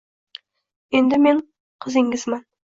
Endi men qizingizman.